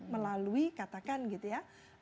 melalui katakan gitu ya